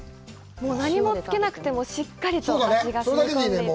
何もつけなくても、しっかりと味がしみ込んでいて。